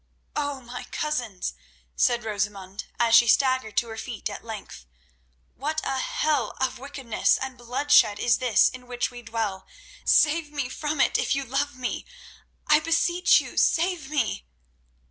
"Oh, my cousins," said Rosamund, as she staggered to her feet at length, "what a hell of wickedness and bloodshed is this in which we dwell! Save me from it if you love me—I beseech you save me!"